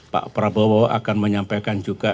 pak prabowo akan menyampaikan juga